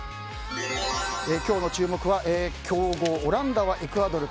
今日の注目は強豪オランダ、エクアドル。